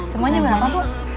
semuanya berapa bu